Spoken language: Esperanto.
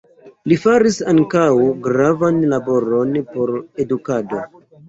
Li faris ankaŭ gravan laboron por edukado.